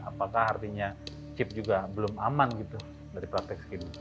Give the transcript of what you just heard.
apakah artinya chip juga belum aman gitu dari praktek skim